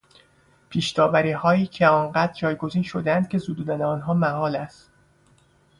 پیشداوریهایی که آنقدر جایگزین شدهاند که زدودن آنها محال است